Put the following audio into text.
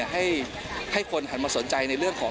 ให้คนหันมาสนใจในเรื่องของ